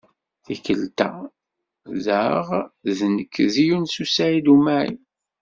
Tikkelt-a daɣ d nekk, d Yunes u Saɛid u Smaɛil.